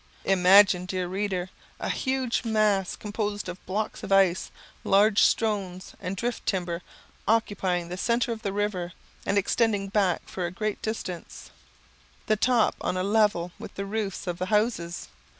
Imagine, dear reader, a huge mass, composed of blocks of ice, large stones, and drift timber, occupying the centre of the river, and extending back for a great distance; the top on a level with the roofs of the houses.